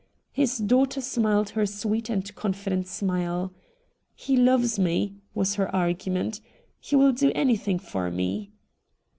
His daughter smiled her sweet and confident smile. ' He loves me,' was her argument ;' he will do anything for me.'